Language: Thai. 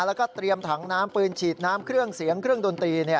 แล้วก็เตรียมถังน้ำปืนฉีดน้ำเครื่องเสียงเครื่องดนตรี